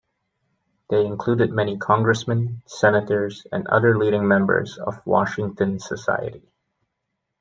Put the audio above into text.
They included many congressmen, senators, and other leading members of Washington society.